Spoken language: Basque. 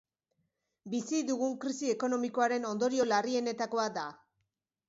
Bizi dugun krisi ekonomikoaren ondorio larrienetakoa da.